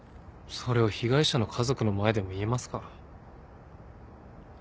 それを被害者の家族の前でも言えますか？